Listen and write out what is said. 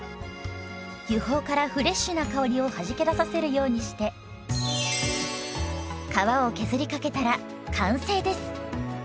油胞からフレッシュな香りをはじけ出させるようにして皮を削りかけたら完成です。